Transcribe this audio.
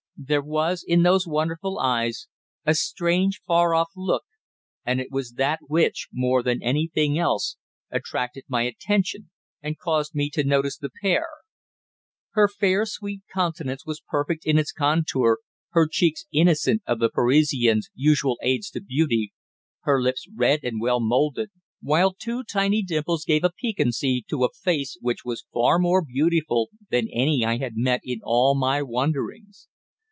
There was, in those wonderful eyes, a strange, far off look, and it was that which, more than anything else, attracted my attention and caused me to notice the pair. Her fair, sweet countenance was perfect in its contour, her cheeks innocent of the Parisienne's usual aids to beauty, her lips red and well moulded, while two tiny dimples gave a piquancy to a face which was far more beautiful than any I had met in all my wanderings.